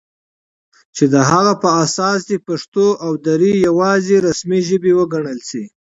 چې د هغه په اساس دې پښتو او دري یواځې رسمي ژبې وګڼل شي